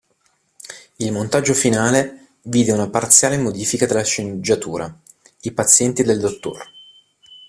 Il montaggio finale vide una parziale modifica della sceneggiatura: i pazienti del dott.